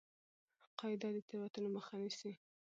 قاعده د تېروتنو مخه نیسي.